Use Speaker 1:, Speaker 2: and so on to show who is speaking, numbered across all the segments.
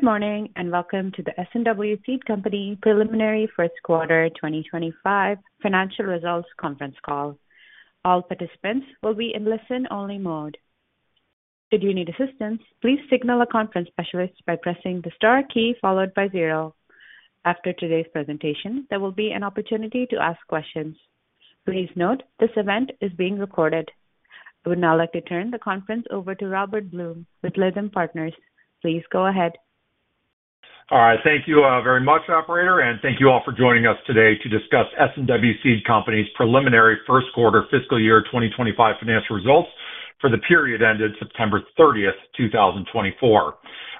Speaker 1: Good morning and welcome to the S&W Seed Company preliminary first quarter 2025 financial results conference call. All participants will be in listen-only mode. Should you need assistance, please signal a conference specialist by pressing the star key followed by zero. After today's presentation, there will be an opportunity to ask questions. Please note this event is being recorded. I would now like to turn the conference over to Robert Blum with Lytham Partners. Please go ahead.
Speaker 2: All right. Thank you very much, Operator, and thank you all for joining us today to discuss S&W Seed Company's preliminary first quarter fiscal year 2025 financial results for the period ended September 30th, 2024.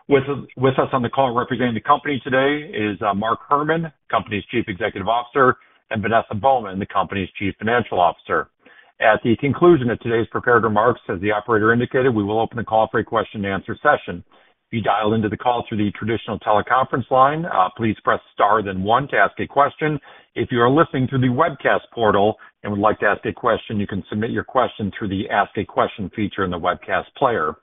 Speaker 2: With us on the call representing the company today is Mark Herrmann, Company's Chief Executive Officer, and Vanessa Baughman, the Company's Chief Financial Officer. At the conclusion of today's prepared remarks, as the Operator indicated, we will open the call for a question-and-answer session. If you dial into the call through the traditional teleconference line, please press star then one to ask a question. If you are listening through the webcast portal and would like to ask a question, you can submit your question through the Ask a Question feature in the webcast player.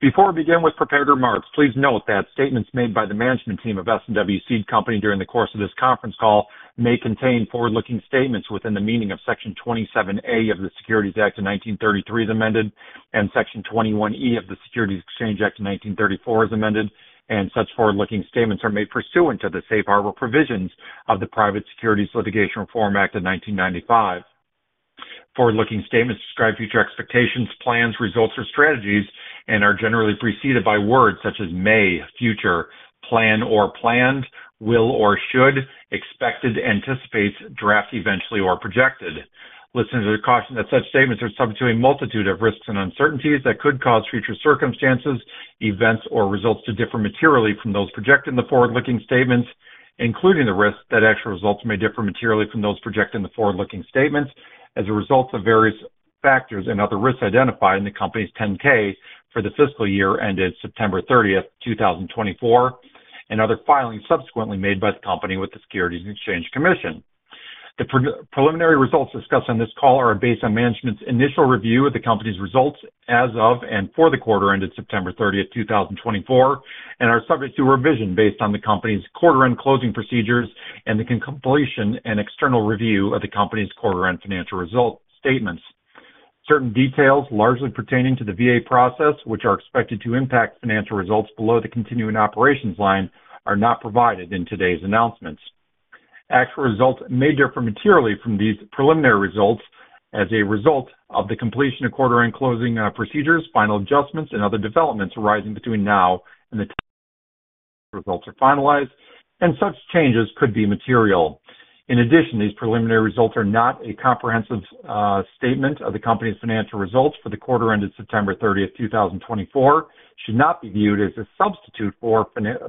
Speaker 2: Before we begin with prepared remarks, please note that statements made by the management team of S&W Seed Company during the course of this conference call may contain forward-looking statements within the meaning of Section 27A of the Securities Act of 1933 as amended, and Section 21E of the Securities Exchange Act of 1934 as amended, and such forward-looking statements are made pursuant to the safe harbor provisions of the Private Securities Litigation Reform Act of 1995. Forward-looking statements describe future expectations, plans, results, or strategies, and are generally preceded by words such as may, future, plan or planned, will or should, expected, anticipates, draft eventually, or projected. Listen, there's a caution that such statements are subject to a multitude of risks and uncertainties that could cause future circumstances, events, or results to differ materially from those projected in the forward-looking statements, including the risk that actual results may differ materially from those projected in the forward-looking statements as a result of various factors and other risks identified in the company's 10-K for the fiscal year ended September 30th, 2024, and other filings subsequently made by the company with the Securities and Exchange Commission. The preliminary results discussed on this call are based on management's initial review of the company's results as of and for the quarter ended September 30th, 2024, and are subject to revision based on the company's quarter-end closing procedures and the completion and external review of the company's quarter-end financial result statements. Certain details largely pertaining to the VA process, which are expected to impact financial results below the continuing operations line, are not provided in today's announcements. Actual results may differ materially from these preliminary results as a result of the completion of quarter-end closing procedures, final adjustments, and other developments arising between now and the results are finalized, and such changes could be material. In addition, these preliminary results are not a comprehensive statement of the company's financial results for the quarter ended September 30th, 2024, should not be viewed as a substitute for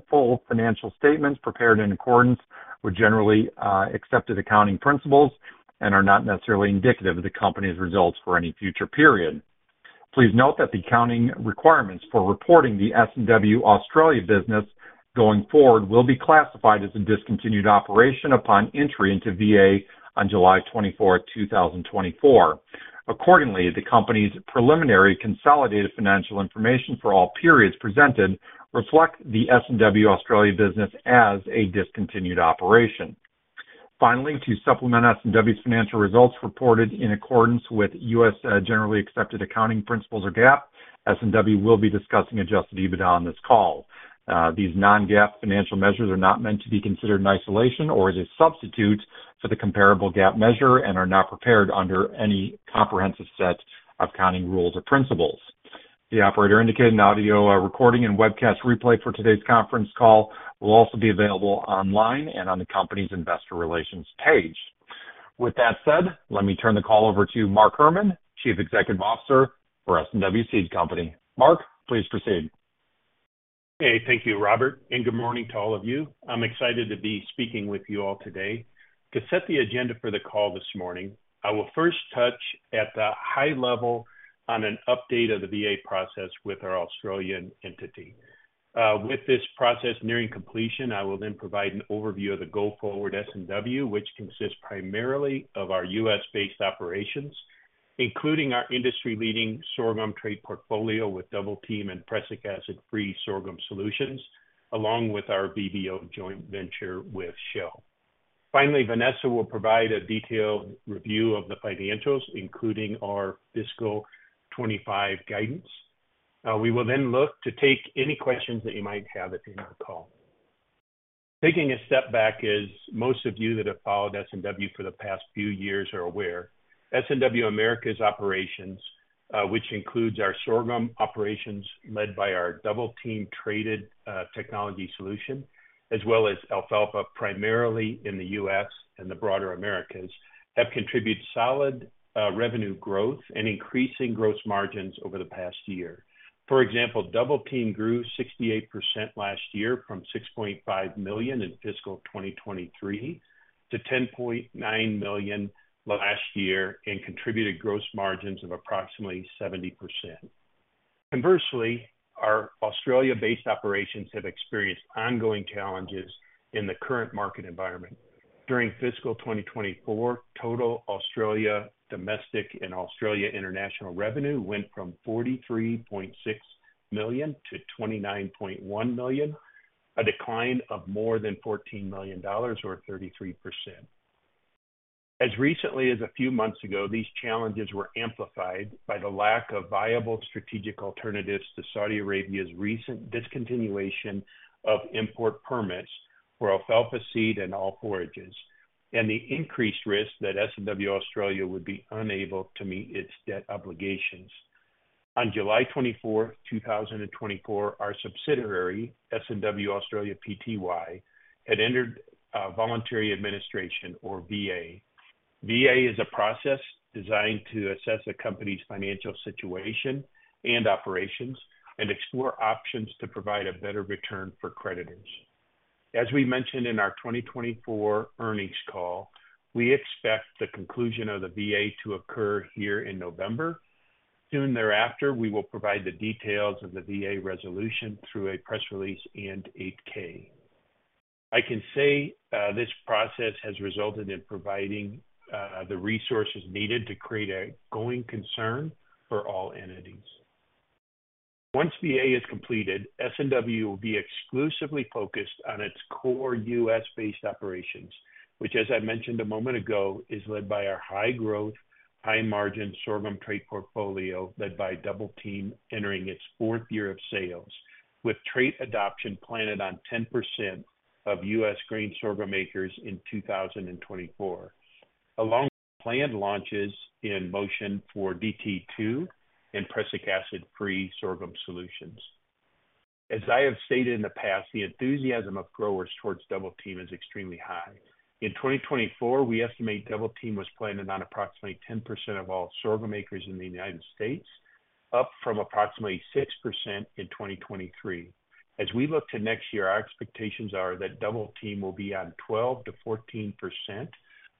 Speaker 2: full financial statements prepared in accordance with generally accepted accounting principles and are not necessarily indicative of the company's results for any future period. Please note that the accounting requirements for reporting the S&W Australia business going forward will be classified as a discontinued operation upon entry into VA on July 24th, 2024. Accordingly, the company's preliminary consolidated financial information for all periods presented reflects the S&W Australia business as a discontinued operation. Finally, to supplement S&W's financial results reported in accordance with U.S. Generally Accepted Accounting Principles or GAAP, S&W will be discussing Adjusted EBITDA on this call. These non-GAAP financial measures are not meant to be considered in isolation or as a substitute for the comparable GAAP measure and are not prepared under any comprehensive set of accounting rules or principles. The operator indicated an audio recording and webcast replay for today's conference call will also be available online and on the company's investor relations page. With that said, let me turn the call over to Mark Herrmann, Chief Executive Officer for S&W Seed Company. Mark, please proceed.
Speaker 3: Okay. Thank you, Robert, and good morning to all of you. I'm excited to be speaking with you all today. To set the agenda for the call this morning, I will first touch at the high level on an update of the VA process with our Australian entity. With this process nearing completion, I will then provide an overview of the go-forward S&W, which consists primarily of our U.S.-based operations, including our industry-leading sorghum trait portfolio with Double Team and Prussic Acid Free Sorghum Solutions, along with our VBO joint venture with Shell. Finally, Vanessa will provide a detailed review of the financials, including our fiscal 2025 guidance. We will then look to take any questions that you might have at the end of the call. Taking a step back, as most of you that have followed S&W for the past few years are aware, S&W Americas operations, which includes our sorghum operations led by our Double Team Trait Technology Solution, as well as alfalfa primarily in the U.S. and the broader Americas, have contributed solid revenue growth and increasing gross margins over the past year. For example, Double Team grew 68% last year from $6.5 million in fiscal 2023 to $10.9 million last year and contributed gross margins of approximately 70%. Conversely, our Australia-based operations have experienced ongoing challenges in the current market environment. During fiscal 2024, total Australia domestic and Australia international revenue went from $43.6 million to $29.1 million, a decline of more than $14 million or 33%. As recently as a few months ago, these challenges were amplified by the lack of viable strategic alternatives to Saudi Arabia's recent discontinuation of import permits for alfalfa seed and all forages, and the increased risk that S&W Australia would be unable to meet its debt obligations. On July 24th, 2024, our subsidiary, S&W Australia Pty, had entered voluntary administration or VA. VA is a process designed to assess a company's financial situation and operations and explore options to provide a better return for creditors. As we mentioned in our 2024 earnings call, we expect the conclusion of the VA to occur here in November. Soon thereafter, we will provide the details of the VA resolution through a press release and 8-K. I can say this process has resulted in providing the resources needed to create a going concern for all entities. Once VA is completed, S&W will be exclusively focused on its core U.S.-based operations, which, as I mentioned a moment ago, is led by our high-growth, high-margin sorghum trait portfolio led by Double Team, entering its fourth year of sales, with trait adoption planned on 10% of U.S. grain sorghum acres in 2024, along with planned launches in motion for DT2 and Prussic Acid Free Sorghum Solutions. As I have stated in the past, the enthusiasm of growers towards Double Team is extremely high. In 2024, we estimate Double Team was planted on approximately 10% of all sorghum acres in the United States, up from approximately 6% in 2023. As we look to next year, our expectations are that Double Team will be on 12%-14%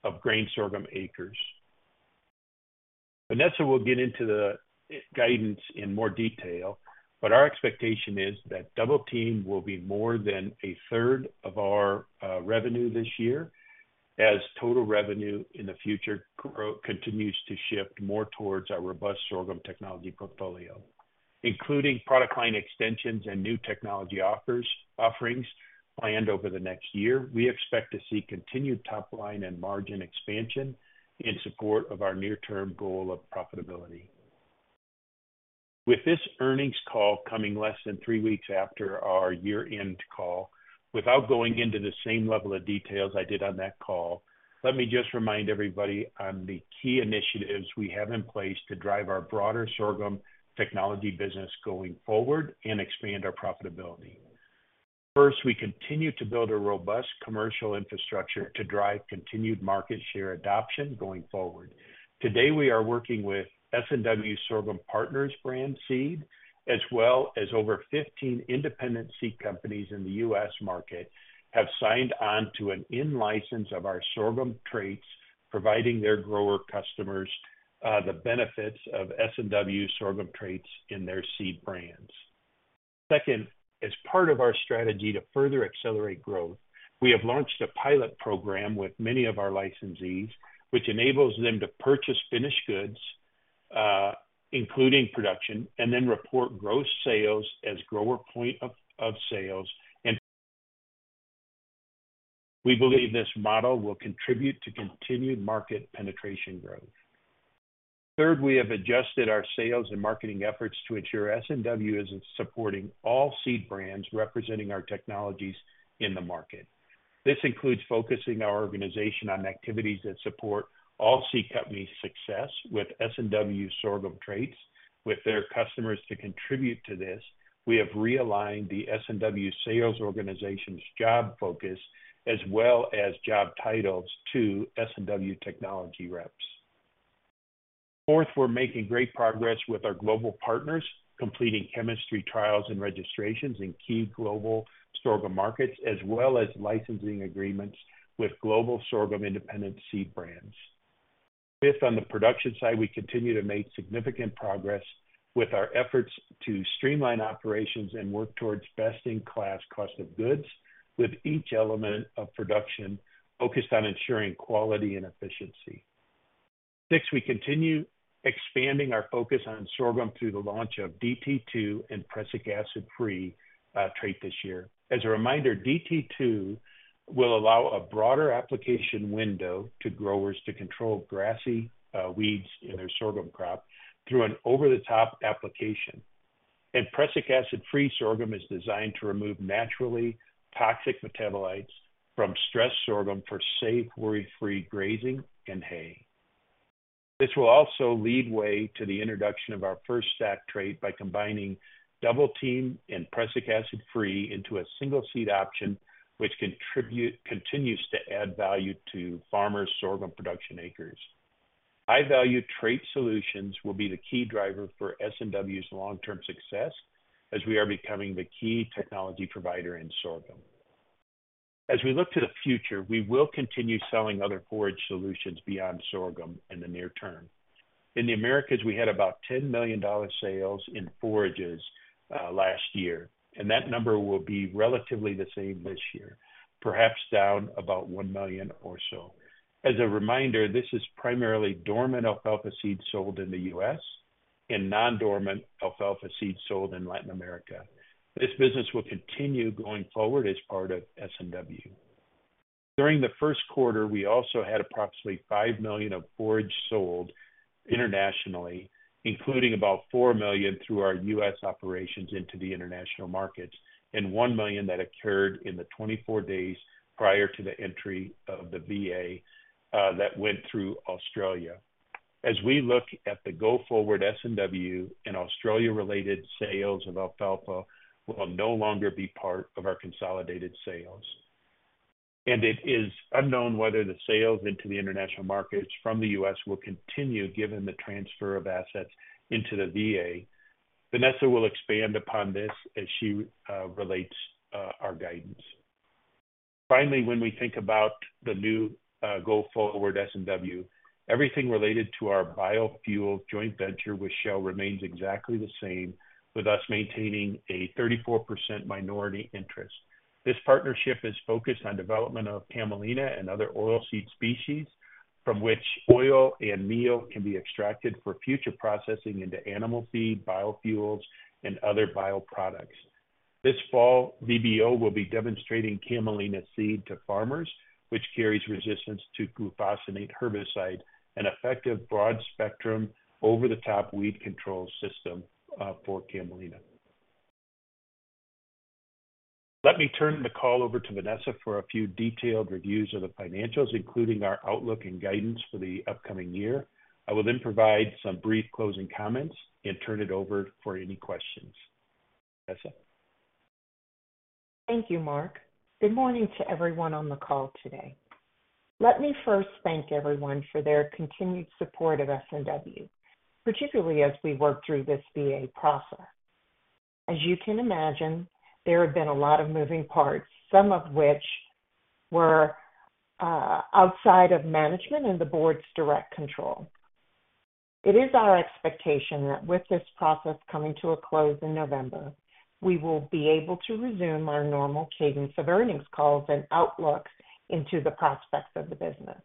Speaker 3: of grain sorghum acres. Vanessa will get into the guidance in more detail, but our expectation is that Double Team will be more than 1/3 of our revenue this year as total revenue in the future continues to shift more towards our robust sorghum technology portfolio. Including product line extensions and new technology offerings planned over the next year, we expect to see continued top line and margin expansion in support of our near-term goal of profitability. With this earnings call coming less than three weeks after our year-end call, without going into the same level of details I did on that call, let me just remind everybody on the key initiatives we have in place to drive our broader sorghum technology business going forward and expand our profitability. First, we continue to build a robust commercial infrastructure to drive continued market share adoption going forward. Today, we are working with S&W Sorghum Partners brand seed, as well as over 15 independent seed companies in the U.S. market have signed on to an in-license of our sorghum traits, providing their grower customers the benefits of S&W sorghum traits in their seed brands. Second, as part of our strategy to further accelerate growth, we have launched a pilot program with many of our licensees, which enables them to purchase finished goods, including production, and then report gross sales as grower point of sales. We believe this model will contribute to continued market penetration growth. Third, we have adjusted our sales and marketing efforts to ensure S&W is supporting all seed brands representing our technologies in the market. This includes focusing our organization on activities that support all seed companies' success with S&W sorghum traits. With their customers to contribute to this, we have realigned the S&W sales organization's job focus as well as job titles to S&W technology reps. Fourth, we're making great progress with our global partners, completing chemistry trials and registrations in key global sorghum markets, as well as licensing agreements with global sorghum independent seed brands. Fifth, on the production side, we continue to make significant progress with our efforts to streamline operations and work towards best-in-class cost of goods with each element of production focused on ensuring quality and efficiency. Sixth, we continue expanding our focus on sorghum through the launch of DT2 and Prussic Acid Free trait this year. As a reminder, DT2 will allow a broader application window to growers to control grassy weeds in their sorghum crop through an over-the-top application. Prussic Acid Free sorghum is designed to remove naturally toxic metabolites from stressed sorghum for safe, worry-free grazing and hay. This will also lead way to the introduction of our first stack trait by combining Double Team and Prussic Acid Free into a single seed option, which continues to add value to farmers' sorghum production acres. High-value trait solutions will be the key driver for S&W's long-term success as we are becoming the key technology provider in sorghum. As we look to the future, we will continue selling other forage solutions beyond sorghum in the near term. In the Americas, we had about $10 million sales in forages last year, and that number will be relatively the same this year, perhaps down about $1 million or so. As a reminder, this is primarily dormant alfalfa seed sold in the U.S. and non-dormant alfalfa seed sold in Latin America. This business will continue going forward as part of S&W. During the first quarter, we also had approximately $5 million of forage sold internationally, including about $4 million through our U.S. operations into the international markets and $1 million that occurred in the 24 days prior to the entry of the VA that went through Australia. As we look at the go forward S&W, Australia-related sales of alfalfa will no longer be part of our consolidated sales, and it is unknown whether the sales into the international markets from the U.S. will continue given the transfer of assets into the VA. Vanessa will expand upon this as she relates our guidance. Finally, when we think about the new go forward S&W, everything related to our biofuel joint venture with Shell remains exactly the same, with us maintaining a 34% minority interest. This partnership is focused on development of camelina and other oilseed species from which oil and meal can be extracted for future processing into animal feed, biofuels, and other bio products. This fall, VBO will be demonstrating camelina seed to farmers, which carries resistance to glufosinate herbicide and effective broad-spectrum over-the-top weed control system for camelina. Let me turn the call over to Vanessa for a few detailed reviews of the financials, including our outlook and guidance for the upcoming year. I will then provide some brief closing comments and turn it over for any questions. Vanessa?
Speaker 4: Thank you, Mark. Good morning to everyone on the call today. Let me first thank everyone for their continued support of S&W, particularly as we work through this VA process. As you can imagine, there have been a lot of moving parts, some of which were outside of management and the board's direct control. It is our expectation that with this process coming to a close in November, we will be able to resume our normal cadence of earnings calls and outlook into the prospects of the business.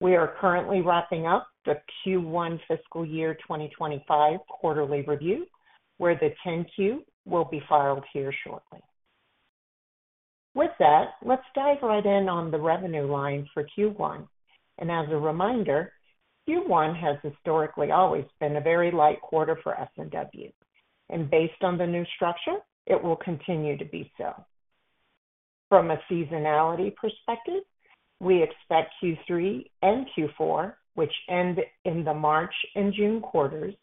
Speaker 4: We are currently wrapping up the Q1 fiscal year 2025 quarterly review, where the 10-Q will be filed here shortly. With that, let's dive right in on the revenue line for Q1. And as a reminder, Q1 has historically always been a very light quarter for S&W. And based on the new structure, it will continue to be so. From a seasonality perspective, we expect Q3 and Q4, which end in the March and June quarters,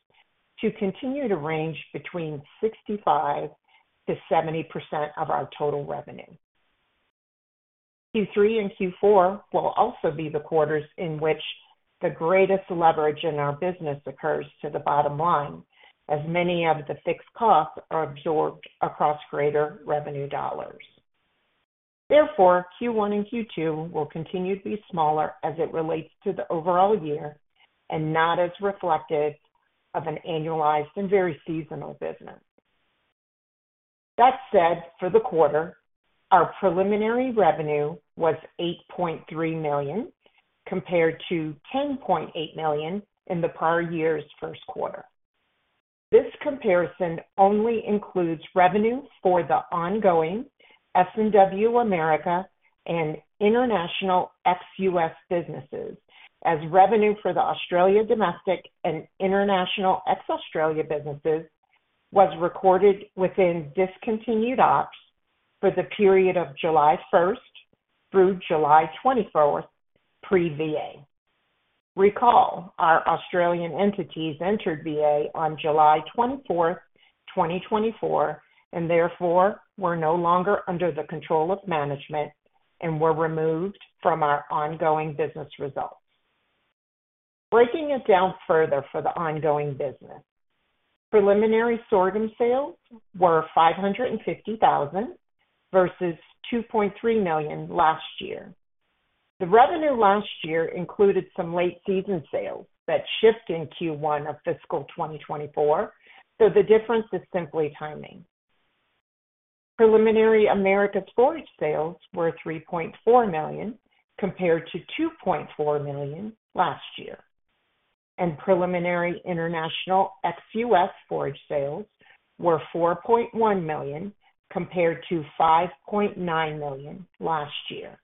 Speaker 4: to continue to range between 65%-70% of our total revenue. Q3 and Q4 will also be the quarters in which the greatest leverage in our business occurs to the bottom line, as many of the fixed costs are absorbed across greater revenue dollars. Therefore, Q1 and Q2 will continue to be smaller as it relates to the overall year and not as reflective of an annualized and very seasonal business. That said, for the quarter, our preliminary revenue was $8.3 million compared to $10.8 million in the prior year's first quarter. This comparison only includes revenue for the ongoing S&W America and international ex-U.S. businesses, as revenue for the Australia domestic and international ex-Australia businesses was recorded within discontinued ops for the period of July 1st through July 24th pre-VA. Recall, our Australian entities entered VA on July 24th, 2024, and therefore were no longer under the control of management and were removed from our ongoing business results. Breaking it down further for the ongoing business, preliminary sorghum sales were $550,000 versus $2.3 million last year. The revenue last year included some late-season sales that shipped in Q1 of fiscal 2024, so the difference is simply timing. Preliminary Americas forage sales were $3.4 million compared to $2.4 million last year. And preliminary international ex-U.S. forage sales were $4.1 million compared to $5.9 million last year.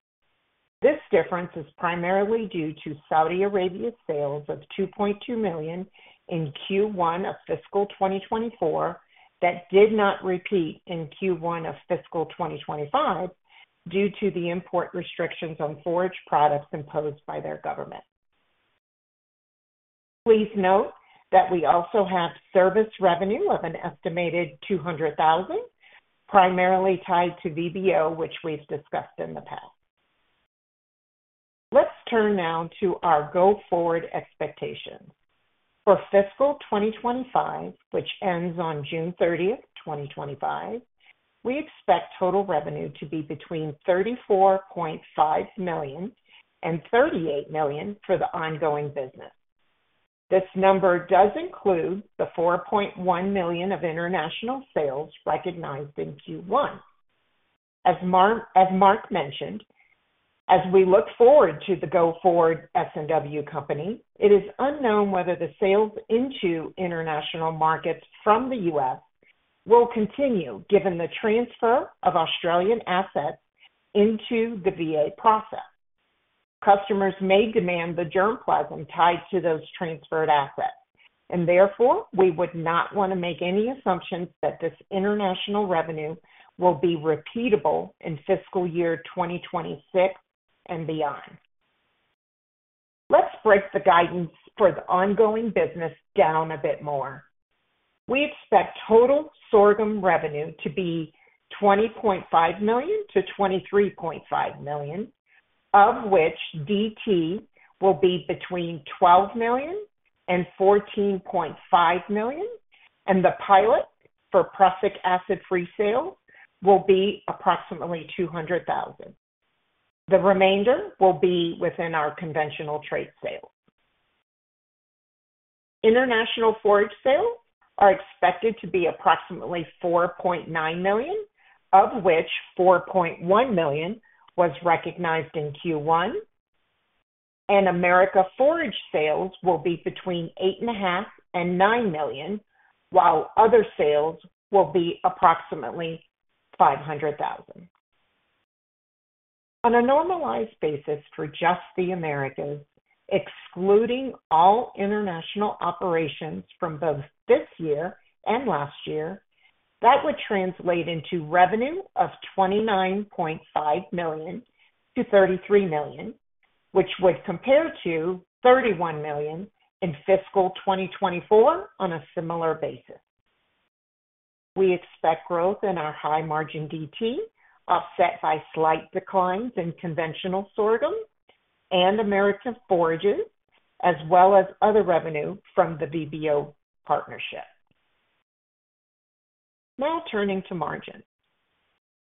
Speaker 4: This difference is primarily due to Saudi Arabia's sales of $2.2 million in Q1 of fiscal 2024 that did not repeat in Q1 of fiscal 2025 due to the import restrictions on forage products imposed by their government. Please note that we also have service revenue of an estimated $200,000, primarily tied to VBO, which we've discussed in the past. Let's turn now to our go forward expectations. For fiscal 2025, which ends on June 30th, 2025, we expect total revenue to be between $34.5 million and $38 million for the ongoing business. This number does include the $4.1 million of international sales recognized in Q1. As Mark mentioned, as we look forward to the go forward S&W company, it is unknown whether the sales into international markets from the U.S. will continue given the transfer of Australian assets into the VA process. Customers may demand the germplasm tied to those transferred assets, and therefore we would not want to make any assumptions that this international revenue will be repeatable in fiscal year 2026 and beyond. Let's break the guidance for the ongoing business down a bit more. We expect total sorghum revenue to be $20.5 million-$23.5 million, of which DT will be between $12 million and $14.5 million, and the pilot for Prussic Acid Free sales will be approximately $200,000. The remainder will be within our conventional trait sales. International forage sales are expected to be approximately $4.9 million, of which $4.1 million was recognized in Q1. America forage sales will be between $8.5 million and $9 million, while other sales will be approximately $500,000. On a normalized basis for just the Americas, excluding all international operations from both this year and last year, that would translate into revenue of $29.5 million-$33 million, which would compare to $31 million in fiscal 2024 on a similar basis. We expect growth in our high-margin DT offset by slight declines in conventional sorghum and American forages, as well as other revenue from the VBO partnership. Now turning to margin.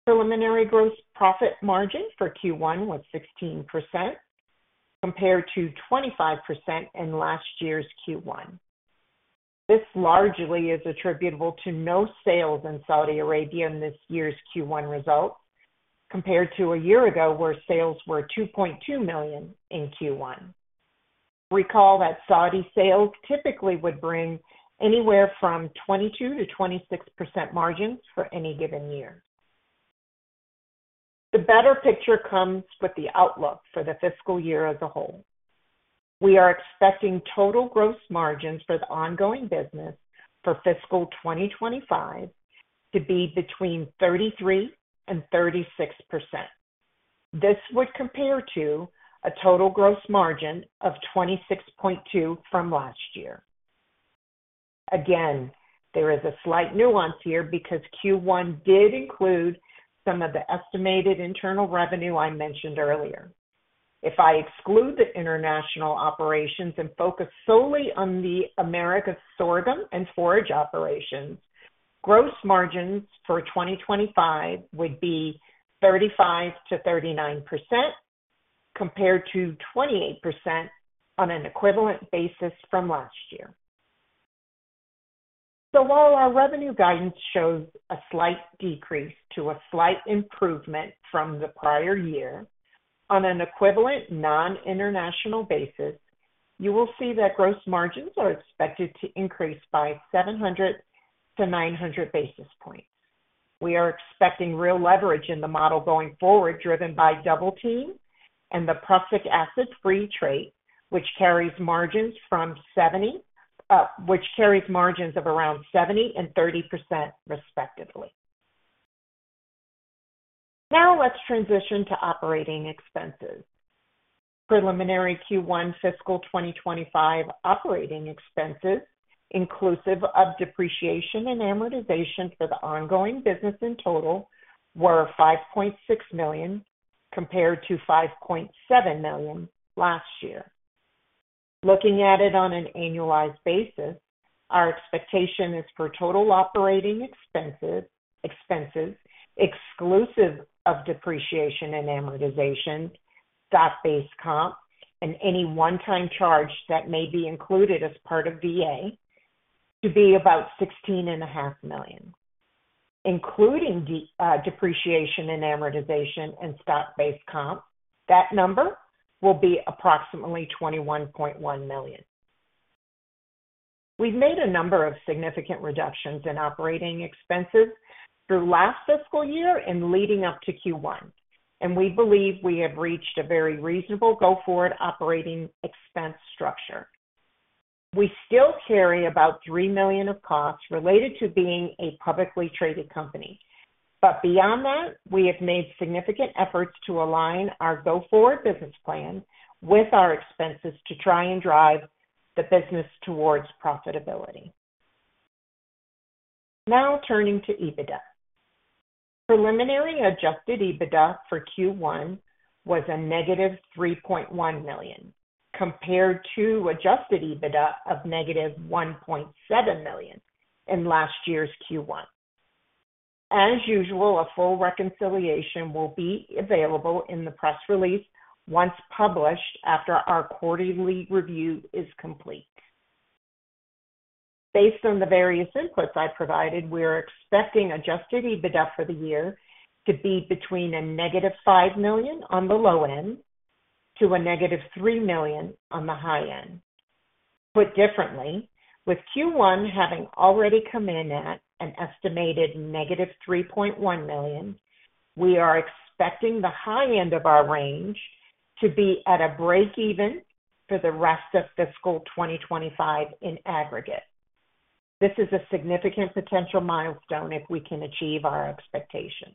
Speaker 4: Preliminary gross profit margin for Q1 was 16% compared to 25% in last year's Q1. This largely is attributable to no sales in Saudi Arabia in this year's Q1 results, compared to a year ago where sales were $2.2 million in Q1. Recall that Saudi sales typically would bring anywhere from 22%-26% margins for any given year. The better picture comes with the outlook for the fiscal year as a whole. We are expecting total gross margins for the ongoing business for fiscal 2025 to be between 33% and 36%. This would compare to a total gross margin of 26.2% from last year. Again, there is a slight nuance here because Q1 did include some of the estimated internal revenue I mentioned earlier. If I exclude the international operations and focus solely on the American sorghum and forage operations, gross margins for 2025 would be 35%-39% compared to 28% on an equivalent basis from last year. So while our revenue guidance shows a slight decrease to a slight improvement from the prior year, on an equivalent non-international basis, you will see that gross margins are expected to increase by 700-900 basis points. We are expecting real leverage in the model going forward driven by Double Team and the Prussic Acid Free trait, which carries margins from 70%, which carries margins of around 70% and 30% respectively. Now let's transition to operating expenses. Preliminary Q1 fiscal 2025 operating expenses, inclusive of depreciation and amortization for the ongoing business in total, were $5.6 million compared to $5.7 million last year. Looking at it on an annualized basis, our expectation is for total operating expenses, exclusive of depreciation and amortization, stock-based comp, and any one-time charge that may be included as part of VA, to be about $16.5 million. Including depreciation and amortization and stock-based comp, that number will be approximately $21.1 million. We've made a number of significant reductions in operating expenses through last fiscal year and leading up to Q1, and we believe we have reached a very reasonable go forward operating expense structure. We still carry about $3 million of costs related to being a publicly traded company, but beyond that, we have made significant efforts to align our go forward business plan with our expenses to try and drive the business towards profitability. Now turning to EBITDA. Preliminary Adjusted EBITDA for Q1 was -$3.1 million compared to Adjusted EBITDA of -$1.7 million in last year's Q1. As usual, a full reconciliation will be available in the press release once published after our quarterly review is complete. Based on the various inputs I provided, we are expecting Adjusted EBITDA for the year to be between -$5 million on the low end to -$3 million on the high end. Put differently, with Q1 having already come in at an estimated -$3.1 million, we are expecting the high end of our range to be at a break-even for the rest of fiscal 2025 in aggregate. This is a significant potential milestone if we can achieve our expectation.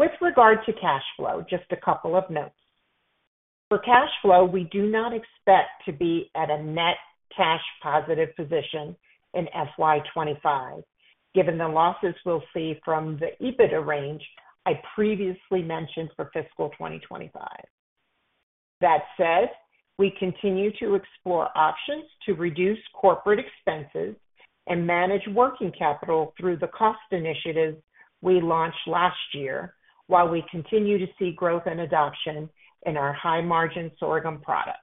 Speaker 4: With regard to cash flow, just a couple of notes. For cash flow, we do not expect to be at a net cash positive position in FY 2025, given the losses we'll see from the EBITDA range I previously mentioned for fiscal 2025. That said, we continue to explore options to reduce corporate expenses and manage working capital through the cost initiative we launched last year, while we continue to see growth and adoption in our high-margin sorghum product.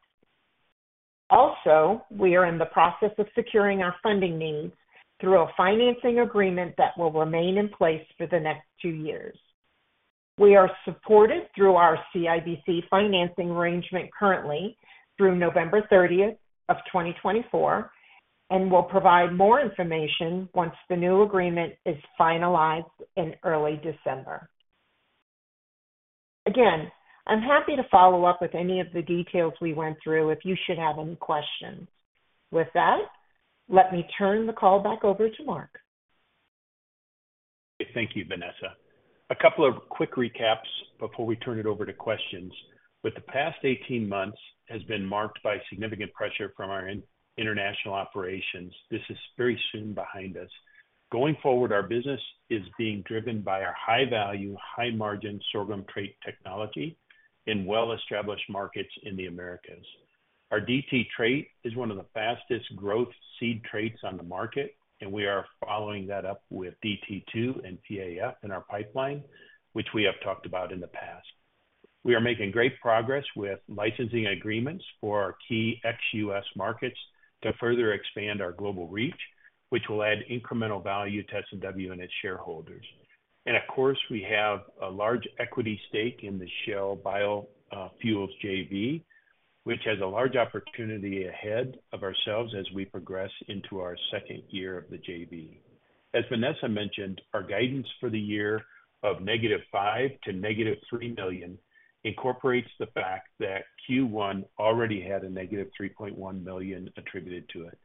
Speaker 4: Also, we are in the process of securing our funding needs through a financing agreement that will remain in place for the next two years. We are supported through our CIBC financing arrangement currently through November 30th of 2024, and we'll provide more information once the new agreement is finalized in early December. Again, I'm happy to follow up with any of the details we went through if you should have any questions. With that, let me turn the call back over to Mark.
Speaker 3: Great. Thank you, Vanessa. A couple of quick recaps before we turn it over to questions. With the past 18 months has been marked by significant pressure from our international operations, this is very soon behind us. Going forward, our business is being driven by our high-value, high-margin sorghum trait technology in well-established markets in the Americas. Our DT trait is one of the fastest growth seed traits on the market, and we are following that up with DT2 and PAF in our pipeline, which we have talked about in the past. We are making great progress with licensing agreements for our key ex-U.S. markets to further expand our global reach, which will add incremental value to S&W and its shareholders. Of course, we have a large equity stake in the Shell Biofuels JV, which has a large opportunity ahead of ourselves as we progress into our second year of the JV. As Vanessa mentioned, our guidance for the year of -$5 million to -$3 million incorporates the fact that Q1 already had a -$3.1 million attributed to it.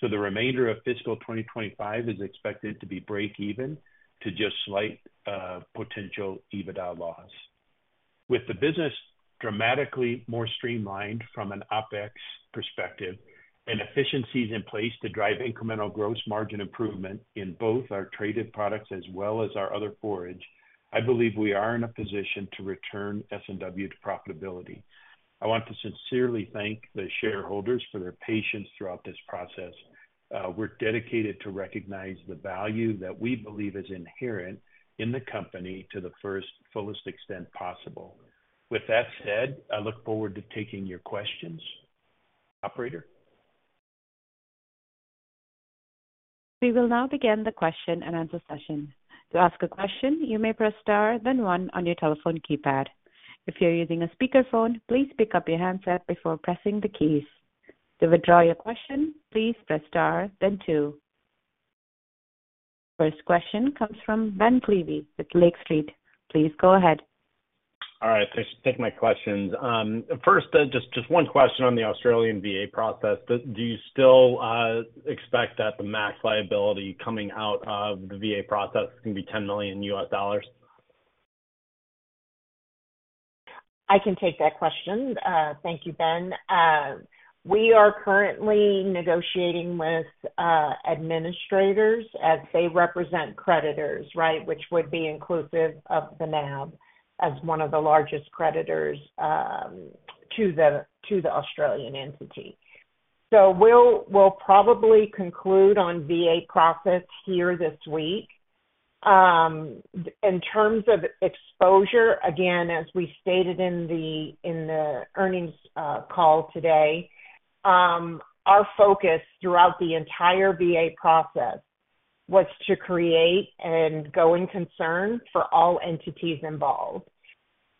Speaker 3: So the remainder of fiscal 2025 is expected to be break-even to just slight potential EBITDA loss. With the business dramatically more streamlined from an OpEx perspective and efficiencies in place to drive incremental gross margin improvement in both our traded products as well as our other forage, I believe we are in a position to return S&W to profitability. I want to sincerely thank the shareholders for their patience throughout this process. We're dedicated to recognize the value that we believe is inherent in the company to the first fullest extent possible. With that said, I look forward to taking your questions, operator.
Speaker 1: We will now begin the question and answer session. To ask a question, you may press star, then one on your telephone keypad. If you're using a speakerphone, please pick up your handset before pressing the keys. To withdraw your question, please press star, then two. First question comes from Ben Klieve with Lake Street Capital Markets. Please go ahead.
Speaker 5: All right. Thanks for taking my questions. First, just one question on the Australian VA process. Do you still expect that the max liability coming out of the VA process can be $10 million?
Speaker 4: I can take that question. Thank you, Ben. We are currently negotiating with administrators as they represent creditors, right, which would be inclusive of the NAB as one of the largest creditors to the Australian entity. So we'll probably conclude on VA process here this week. In terms of exposure, again, as we stated in the earnings call today, our focus throughout the entire VA process was to create a going concern for all entities involved.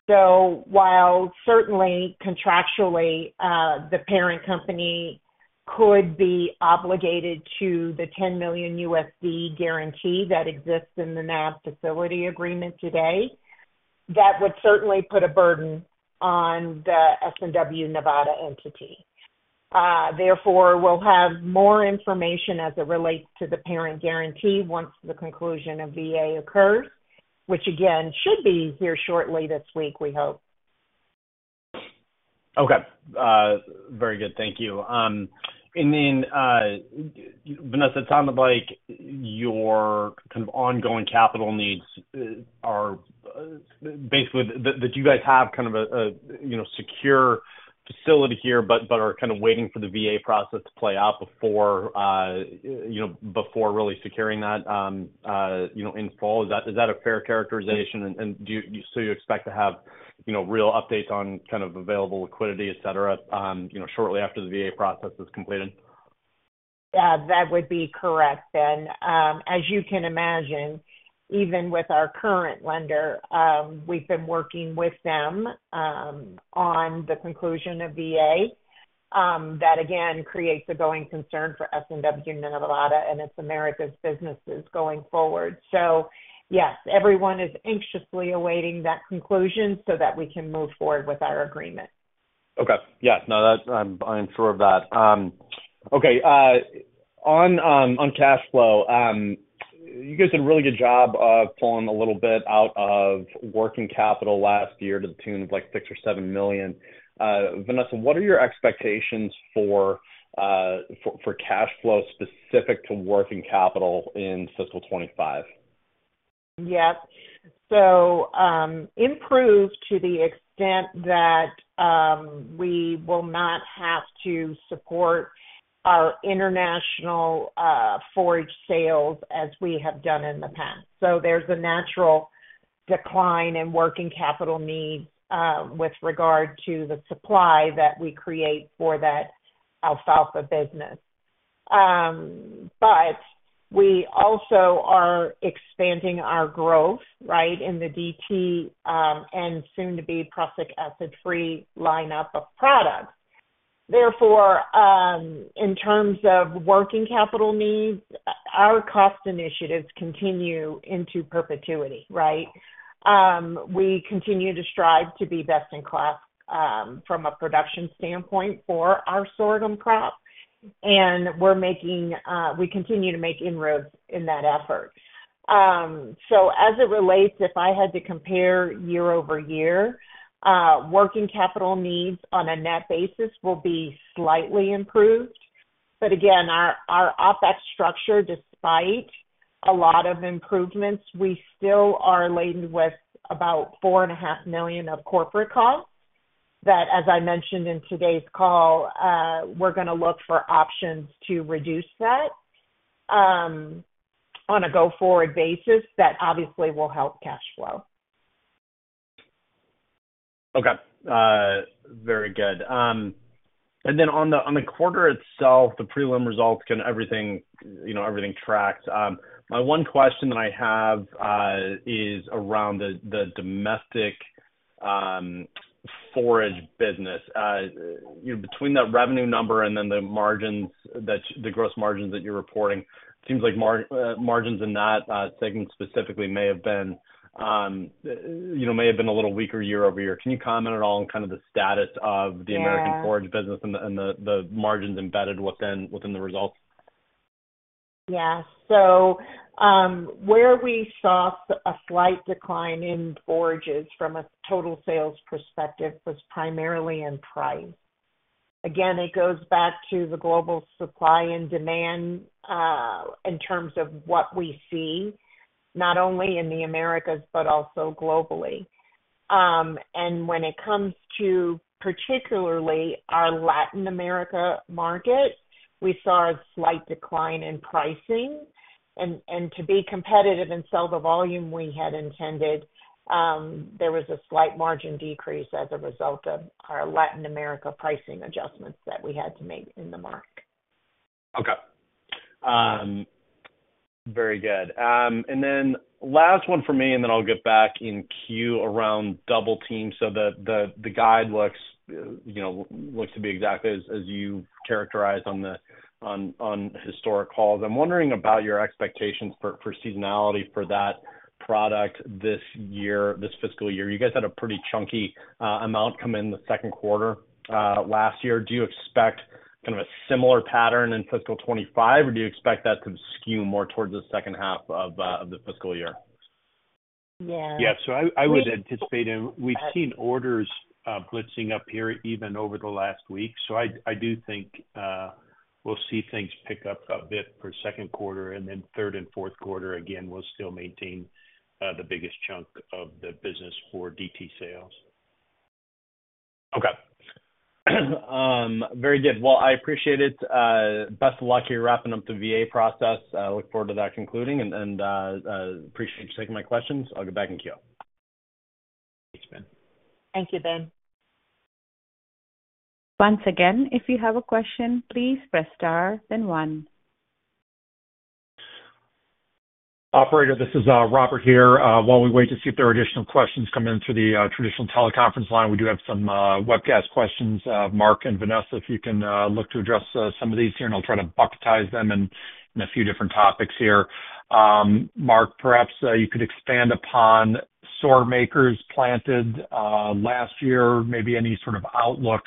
Speaker 4: So while certainly contractually the parent company could be obligated to the $10 million guarantee that exists in the NAB facility agreement today, that would certainly put a burden on the S&W Nevada entity. Therefore, we'll have more information as it relates to the parent guarantee once the conclusion of VA occurs, which again should be here shortly this week, we hope.
Speaker 5: Okay. Very good. Thank you. And then, Vanessa, it sounded like your kind of ongoing capital needs are basically that you guys have kind of a secure facility here, but are kind of waiting for the VA process to play out before really securing that in full. Is that a fair characterization? And so you expect to have real updates on kind of available liquidity, etc., shortly after the VA process is completed?
Speaker 4: Yeah, that would be correct, Ben. As you can imagine, even with our current lender, we've been working with them on the conclusion of VA. That, again, creates a going concern for S&W Nevada and its America's businesses going forward. So yes, everyone is anxiously awaiting that conclusion so that we can move forward with our agreement.
Speaker 5: Okay. Yeah. No, I'm sure of that. Okay. On cash flow, you guys did a really good job of pulling a little bit out of working capital last year to the tune of like $6 million or $7 million. Vanessa, what are your expectations for cash flow specific to working capital in fiscal 2025?
Speaker 4: Yep. So improved to the extent that we will not have to support our international forage sales as we have done in the past. So there's a natural decline in working capital needs with regard to the supply that we create for that alfalfa business. But we also are expanding our growth, right, in the DT and soon-to-be Prussic Acid-free lineup of products. Therefore, in terms of working capital needs, our cost initiatives continue into perpetuity, right? We continue to strive to be best in class from a production standpoint for our sorghum crop, and we continue to make inroads in that effort. So as it relates, if I had to compare year-over-year, working capital needs on a net basis will be slightly improved. But again, our OpEx structure, despite a lot of improvements, we still are laden with about $4.5 million of corporate costs that, as I mentioned in today's call, we're going to look for options to reduce that on a go forward basis that obviously will help cash flow.
Speaker 5: Okay. Very good. And then on the quarter itself, the prelim results, kind of everything tracked. My one question that I have is around the domestic forage business. Between that revenue number and then the gross margins that you're reporting, it seems like margins in that segment specifically may have been a little weaker year-over-year. Can you comment at all on kind of the status of the American forage business and the margins embedded within the results?
Speaker 4: Yeah. So where we saw a slight decline in forages from a total sales perspective was primarily in price. Again, it goes back to the global supply and demand in terms of what we see, not only in the Americas but also globally. And when it comes to particularly our Latin America market, we saw a slight decline in pricing. And to be competitive and sell the volume we had intended, there was a slight margin decrease as a result of our Latin America pricing adjustments that we had to make in the market.
Speaker 5: Okay. Very good. And then last one for me, and then I'll get back in queue around Double Team. So the guide looks to be exactly as you characterized on historic calls. I'm wondering about your expectations for seasonality for that product this year, this fiscal year. You guys had a pretty chunky amount come in the second quarter last year. Do you expect kind of a similar pattern in fiscal 2025, or do you expect that to skew more towards the second half of the fiscal year?
Speaker 4: Yeah.
Speaker 3: Yeah. So I would anticipate we've seen orders blitzing up here even over the last week. So I do think we'll see things pick up a bit for second quarter, and then third and fourth quarter, again, we'll still maintain the biggest chunk of the business for DT sales.
Speaker 5: Okay. Very good. Well, I appreciate it. Best of luck here wrapping up the VA process. I look forward to that concluding and appreciate you taking my questions. I'll get back in queue.
Speaker 3: Thanks, Ben.
Speaker 4: Thank you, Ben.
Speaker 1: Once again, if you have a question, please press star, then one.
Speaker 2: Operator, this is Robert here. While we wait to see if there are additional questions come in through the traditional teleconference line, we do have some webcast questions. Mark and Vanessa, if you can look to address some of these here, and I'll try to bucketize them in a few different topics here. Mark, perhaps you could expand upon sorghum acres planted last year, maybe any sort of outlook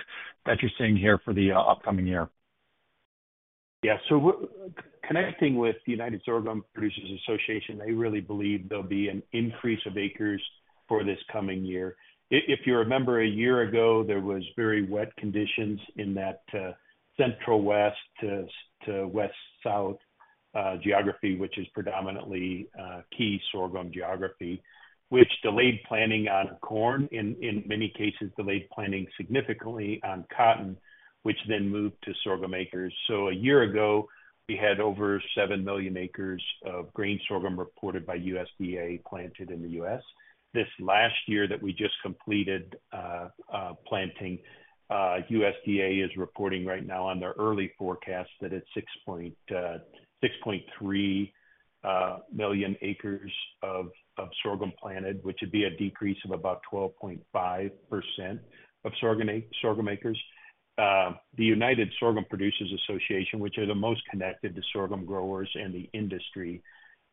Speaker 2: that you're seeing here for the upcoming year.
Speaker 3: Yeah. So connecting with the United Sorghum Producers Association, they really believe there'll be an increase of acres for this coming year. If you remember a year ago, there were very wet conditions in that central west to west south geography, which is predominantly key sorghum geography, which delayed planting on corn. In many cases, delayed planting significantly on cotton, which then moved to sorghum acres, so a year ago, we had over seven million acres of grain sorghum reported by USDA planted in the U.S. This last year that we just completed planting, USDA is reporting right now on their early forecast that it's 6.3 million acres of sorghum planted, which would be a decrease of about 12.5% of sorghum acres. The United Sorghum Producers Association, which are the most connected to sorghum growers and the industry,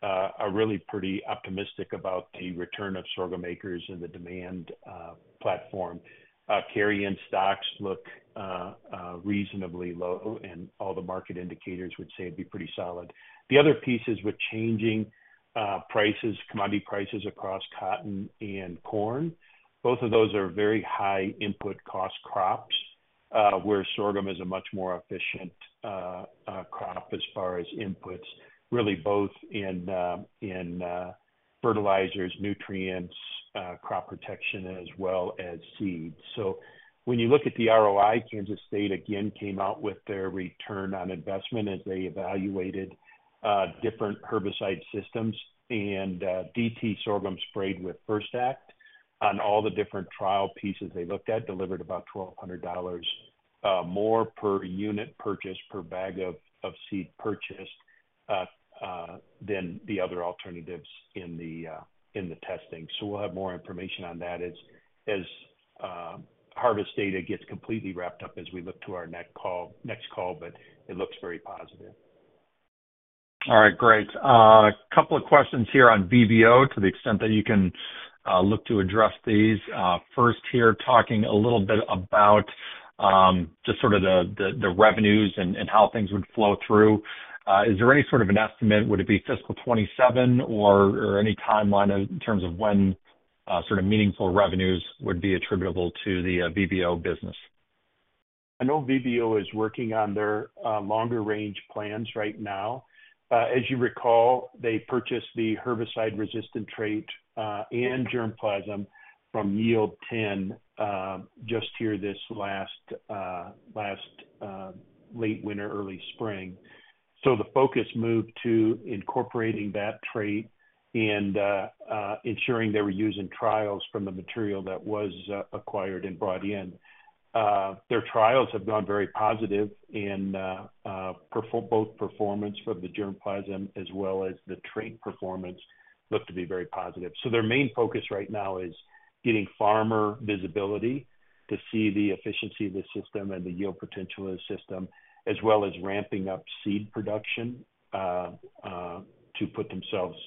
Speaker 3: are really pretty optimistic about the return of sorghum acres and the demand platform. Carry-in stocks look reasonably low, and all the market indicators would say it'd be pretty solid. The other pieces with changing commodity prices across cotton and corn, both of those are very high input cost crops where sorghum is a much more efficient crop as far as inputs, really both in fertilizers, nutrients, crop protection, as well as seeds. So when you look at the ROI, Kansas State again came out with their return on investment as they evaluated different herbicide systems and DT sorghum sprayed with FirstAct on all the different trial pieces they looked at, delivered about $1,200 more per unit purchase, per bag of seed purchased than the other alternatives in the testing. So we'll have more information on that as harvest data gets completely wrapped up as we look to our next call, but it looks very positive.
Speaker 2: All right. Great. A couple of questions here on VBO to the extent that you can look to address these. First here, talking a little bit about just sort of the revenues and how things would flow through. Is there any sort of an estimate? Would it be fiscal 2027 or any timeline in terms of when sort of meaningful revenues would be attributable to the VBO business?
Speaker 3: I know VBO is working on their longer range plans right now. As you recall, they purchased the herbicide-resistant trait and germplasm from Yield10 just here this last late winter, early spring. So the focus moved to incorporating that trait and ensuring they were using trials from the material that was acquired and brought in. Their trials have gone very positive in both performance for the germplasm as well as the trait performance looked to be very positive. So their main focus right now is getting farmer visibility to see the efficiency of the system and the yield potential of the system, as well as ramping up seed production to put themselves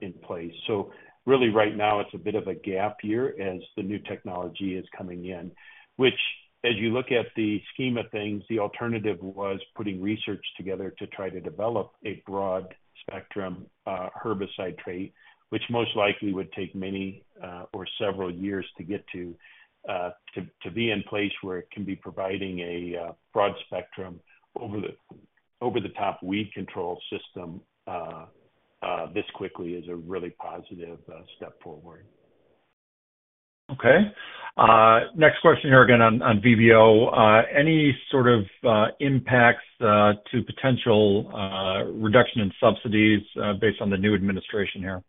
Speaker 3: in place. So really right now, it's a bit of a gap year as the new technology is coming in, which, as you look at the scheme of things, the alternative was putting research together to try to develop a broad spectrum herbicide trait, which most likely would take many or several years to get to be in place where it can be providing a broad spectrum over-the-top weed control system. This quickly is a really positive step forward.
Speaker 2: Okay. Next question here again on VBO. Any sort of impacts to potential reduction in subsidies based on the new administration here?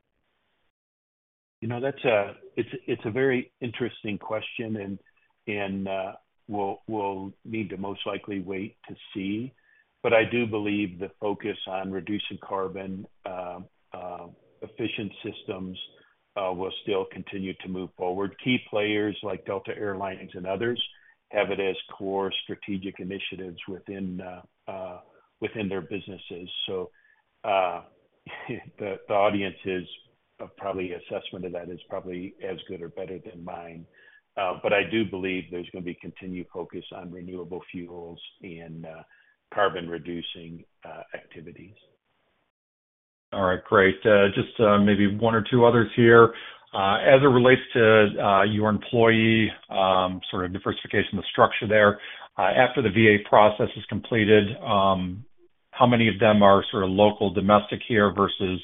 Speaker 3: That's a very interesting question, and we'll need to most likely wait to see. But I do believe the focus on reducing carbon efficient systems will still continue to move forward. Key players like Delta Air Lines and others have it as core strategic initiatives within their businesses. So the audience's probable assessment of that is probably as good or better than mine. But I do believe there's going to be continued focus on renewable fuels and carbon-reducing activities.
Speaker 2: All right. Great. Just maybe one or two others here. As it relates to your employee sort of diversification of the structure there, after the VA process is completed, how many of them are sort of local domestic here versus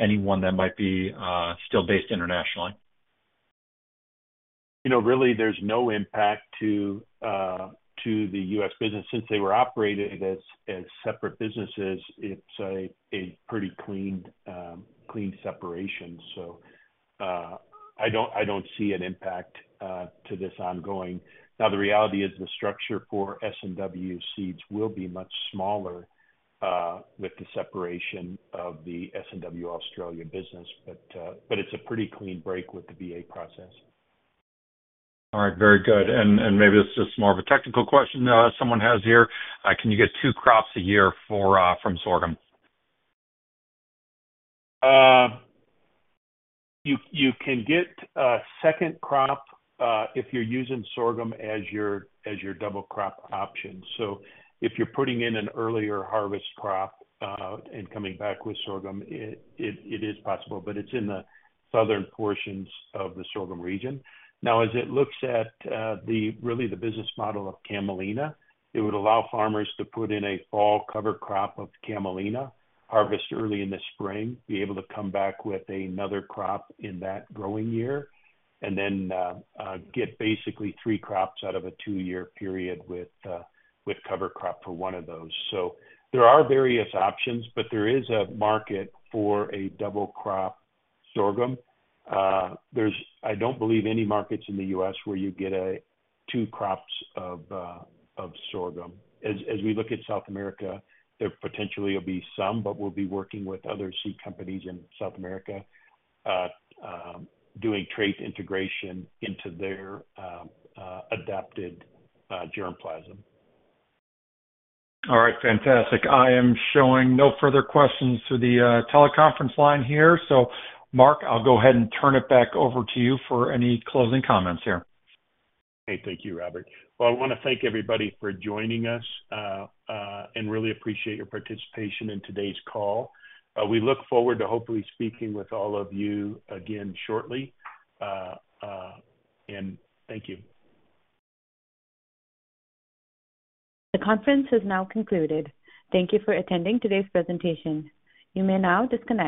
Speaker 2: anyone that might be still based internationally?
Speaker 3: Really, there's no impact to the U.S. business. Since they were operated as separate businesses, it's a pretty clean separation. So I don't see an impact to this ongoing. Now, the reality is the structure for S&W Seed will be much smaller with the separation of the S&W Australia business, but it's a pretty clean break with the VA process.
Speaker 2: All right. Very good. And maybe this is more of a technical question someone has here. Can you get two crops a year from sorghum?
Speaker 3: You can get a second crop if you're using sorghum as your double crop option. So if you're putting in an earlier harvest crop and coming back with sorghum, it is possible, but it's in the southern portions of the sorghum region. Now, as it looks at really the business model of Camelina, it would allow farmers to put in a fall cover crop of Camelina, harvest early in the spring, be able to come back with another crop in that growing year, and then get basically three crops out of a two-year period with cover crop for one of those. So there are various options, but there is a market for a double crop sorghum. I don't believe any markets in the U.S. where you get two crops of sorghum. As we look at South America, there potentially will be some, but we'll be working with other seed companies in South America doing trait integration into their adapted germplasm.
Speaker 2: All right. Fantastic. I am showing no further questions to the teleconference line here. So Mark, I'll go ahead and turn it back over to you for any closing comments here. Okay.
Speaker 3: Thank you, Robert. Well, I want to thank everybody for joining us and really appreciate your participation in today's call. We look forward to hopefully speaking with all of you again shortly. And thank you.
Speaker 1: The conference has now concluded. Thank you for attending today's presentation. You may now disconnect.